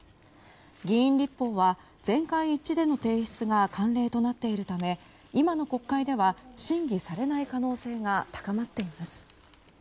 議員立法は全会一致での提出が慣例となっているため今の国会では審議されない可能性が高まっています。